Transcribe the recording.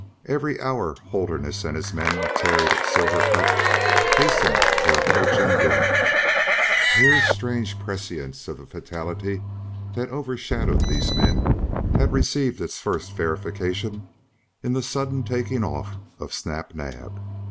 Every hour Holderness and his men tarried at Silver Cup hastened their approaching doom. Hare's strange prescience of the fatality that overshadowed these men had received its first verification in the sudden taking off of Snap Naab.